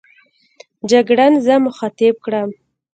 جګړن زه مخاطب کړم.